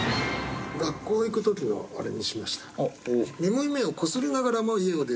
学校行く時のあれにしました。